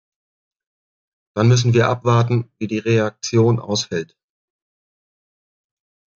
Dann müssen wir abwarten, wie die Reaktion ausfällt.